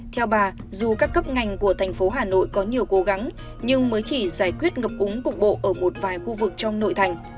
theo bà dù các cấp ngành của thành phố hà nội có nhiều cố gắng nhưng mới chỉ giải quyết ngập úng cục bộ ở một vài khu vực trong nội thành